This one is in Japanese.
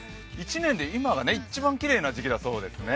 １年で今が一番きれいな時期だそうですね。